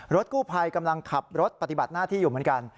กู้ภัยกำลังขับรถปฏิบัติหน้าที่อยู่เหมือนกัน